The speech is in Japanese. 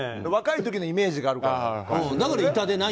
若い時のイメージがあるから。